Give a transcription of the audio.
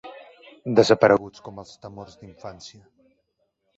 Desapareguts com els temors d'infància.